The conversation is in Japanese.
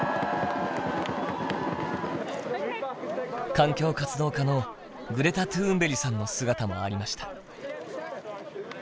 環境活動家のグレタ・トゥーンベリさんの姿もありました。